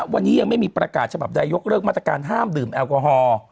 วันนี้ยังไม่มีประกาศฉบับใดยกเลิกมาตรการห้ามดื่มแอลกอฮอล์